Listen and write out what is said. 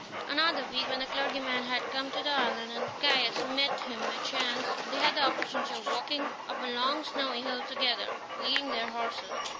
Another week, when the clergyman had come to the island and Caius met him by chance, they had the opportunity of walking up a long snowy hill together, leading their horses.